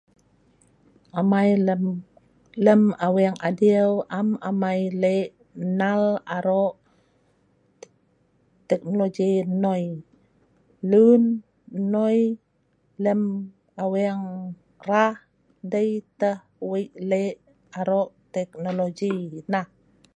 amai lem lem aweng adiu am amai lek nal arok teknologi noi , lun hnoi lem aweng rah dei teh weik lek arok teknologi neh.